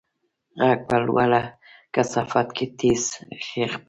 غږ په لوړه کثافت کې تېز خپرېږي.